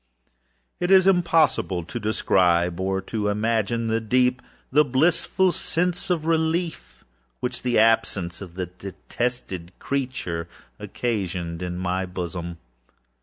It is impossible to describe, or to imagine, the deep, the blissful sense of relief which the absence of the detested creature occasioned in my bosom.